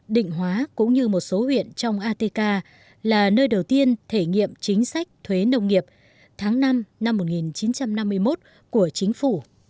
định hóa cũng như một số huyện trong atk là nơi đầu tiên thể nghiệm chính sách thuế nông nghiệp tháng năm năm một nghìn chín trăm năm mươi một của chính phủ